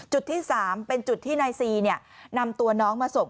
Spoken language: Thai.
จุดที่๓เป็นจุดที่นายซีนำตัวน้องมาส่ง